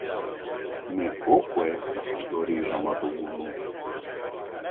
Με κόπο έφθασε στο ρίζωμα του βουνού